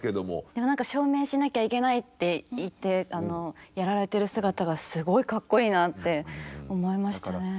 でも何か証明しなきゃいけないって言ってやられてる姿がすごいかっこいいなって思いましたね。